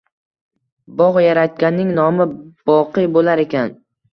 Bog` yaratganning nomi boqiy bo`lar ekan